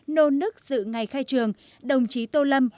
nô nức dự ngày khai trường đồng chí tô lâm